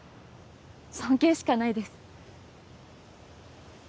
尊敬しかないです